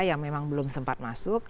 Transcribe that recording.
yang memang belum sempat masuk